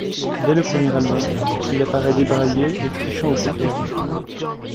Dès le premier album, il apparait débraillé et trichant au poker.